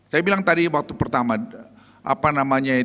saya bilang tadi waktu pertama